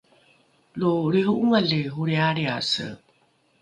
lo lriho’ongali holrialriase